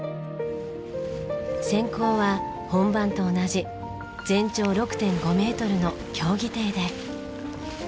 選考は本番と同じ全長６．５メートルの競技艇で。